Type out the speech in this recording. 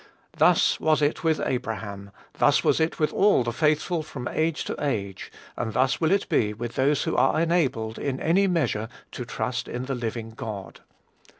Thus was it with Abraham; thus was it with all the faithful from age to age; and thus will it be with all those who are enabled, in any measure, to trust in the living God.